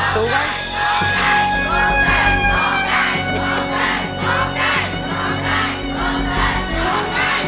โทษใจโทษใจโทษใจโทษใจ